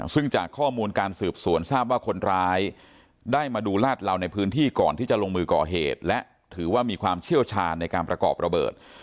ซึ่งจากข้อมูลการสืบสวนทราบว่าคนร้ายได้มาดูลาดเหลาในพื้นที่ก่อนที่จะลงมือก่อเหตุและถือว่ามีความเชี่ยวชาญในการประกอบระเบิด